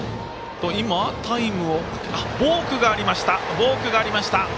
ボークがありました。